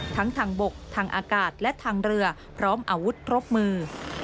ทั้งทางบกทางอากาศและทางเรือพร้อมอาวุธครบมือ